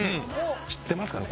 知ってますかね？